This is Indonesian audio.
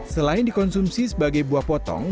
selain dikonsumsi sebagai buah potong